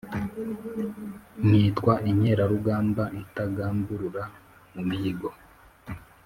Nkitwa inkerarugamba itagamburura mu mihigo.